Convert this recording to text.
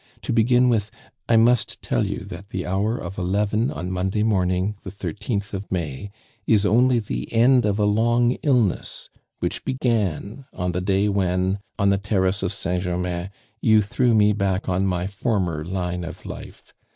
To begin with, I must tell you that the hour of eleven on Monday morning, the thirteenth of May, is only the end of a long illness, which began on the day when, on the Terrace of Saint Germain, you threw me back on my former line of life.